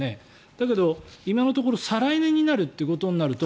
だけど今のところ再来年になるということになると